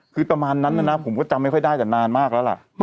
คือประมาณนั้นนะผมก็จำไม่ค่อยได้แต่นานมากแล้วล่ะ